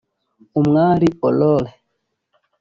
Umwali Aurore